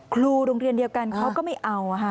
ครูโรงเรียนเดียวกันเขาก็ไม่เอาค่ะ